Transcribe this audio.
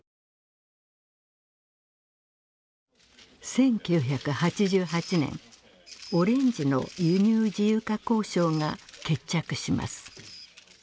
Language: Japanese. １９８８年オレンジの輸入自由化交渉が決着します。